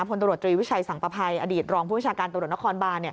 พตรวจจวิชัยสังประภายอดีตรองพมตรวจนครบา